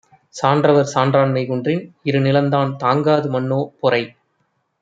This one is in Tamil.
சான்றவர் சான்றாண்மை குன்றின், இருநிலந்தான் தாங்காது மன்னோ பொறை.